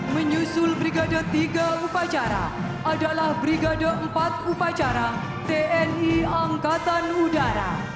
menyusul brigada tiga upacara adalah brigada empat upacara tni angkatan laut tahun dua ribu satu